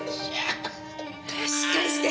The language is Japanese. しっかりして！